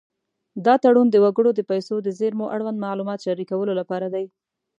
دا تړون د وګړو د پیسو د زېرمو اړوند معلومات شریکولو لپاره دی.